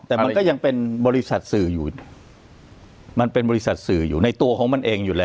แต่มันก็ยังเป็นบริษัทสื่ออยู่มันเป็นบริษัทสื่ออยู่ในตัวของมันเองอยู่แล้ว